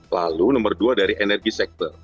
lalu nomor dua dari energi sektor